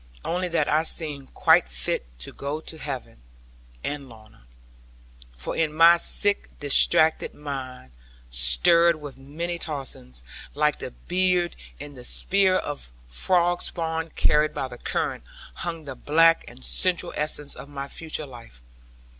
Only that I seemed quite fit to go to heaven, and Lorna. For in my sick distracted mind (stirred with many tossings), like the bead in the spread of frog spawn carried by the current, hung the black and central essence of my future life.